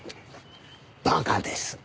馬鹿です。